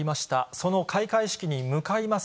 その開会式に向かいます